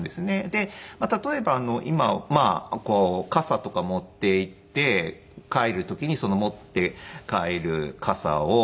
で例えば傘とか持っていって帰る時に持って帰る傘を忘れてしまうとか。